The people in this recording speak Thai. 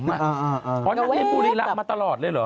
อ๋อนั่งในบุรีลำมาตลอดเลยเหรอ